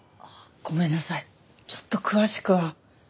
ごめんなさいちょっと詳しくは。